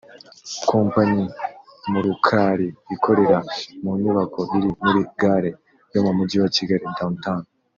Kompanyi Murukali ikorera mu nyubako iri muri gare yo mu mujyi wa Kigali (Downtown)